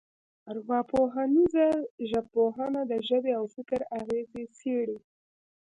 ارواپوهنیزه ژبپوهنه د ژبې او فکر اغېزې څېړي